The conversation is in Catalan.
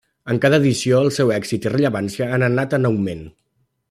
En cada edició el seu èxit i rellevància han anat en augment.